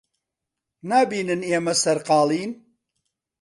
نابینن ئێمە سەرقاڵین؟